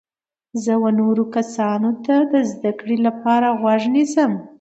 زه و نورو کسانو ته د زده کړي لپاره غوږ نیسم.